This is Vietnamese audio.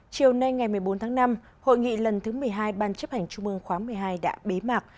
chiều nay ngày một mươi bốn tháng năm hội nghị lần thứ một mươi hai ban chấp hành trung mương khóa một mươi hai đã bế mạc